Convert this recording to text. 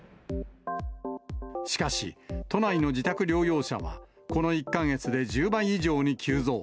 しかし、都内の自宅療養者はこの１か月で１０倍以上に急増。